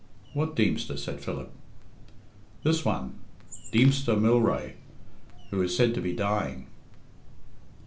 "What Deemster?" said Philip. "This one, Deemster Mylrea, who is said to be dying."